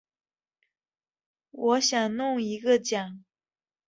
我想弄个奖